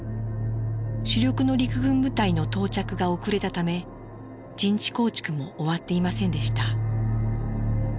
主力の陸軍部隊の到着が遅れたため陣地構築も終わっていませんでした。